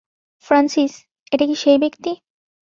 Francis, এটা কি সেই ব্যাক্তি?